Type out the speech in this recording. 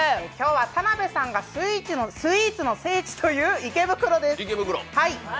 今日は田辺さんがスイーツの聖地という池袋です。